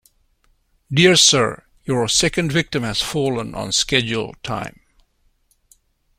Dear Sir, Your second victim has fallen on schedule time.